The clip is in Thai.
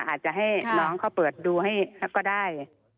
อาจจะให้น้องเขาเปิดดูให้ก็ได้